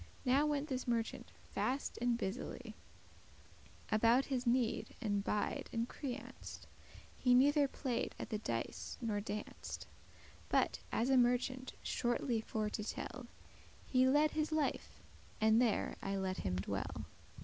Now went this merchant fast and busily About his need, and buyed and creanced;* *got credit He neither played at the dice, nor danced; But as a merchant, shortly for to tell, He led his life; and there I let him dwell.